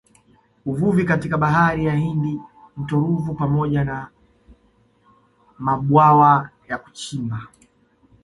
Uvuvi katika Bahari ya Hindi mto Ruvu pamoja na mabwawa ya kuchimba